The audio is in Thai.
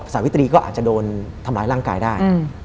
สาวิตรีก็อาจจะโดนทำร้ายร่างกายได้